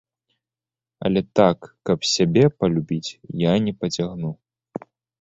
Але так, каб сябе палюбіць, я не пацягну.